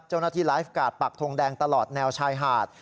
เจ้าหน้าที่ไลฟ์การ์ดปักทงแดงตลอดแนวชายหาด